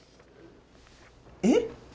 えっ？